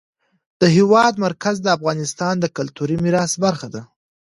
د هېواد مرکز د افغانستان د کلتوري میراث برخه ده.